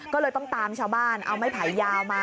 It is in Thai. ก็เลยต้องตามชาวบ้านเอาไม้ไผ่ยาวมา